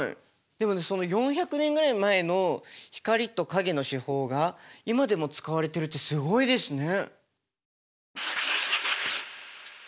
でも４００年ぐらい前の光と影の手法が今でも使われてるってすごいですね。